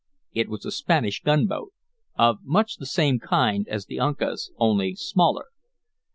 It was a Spanish gunboat, of much the same kind as the Uncas, only smaller.